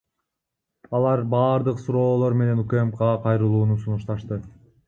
Алар баардык суроолор менен УКМКга кайрылууну сунушташты.